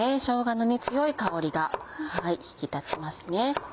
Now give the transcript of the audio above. しょうがの強い香りが引き立ちますね。